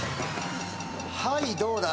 はいどうだ？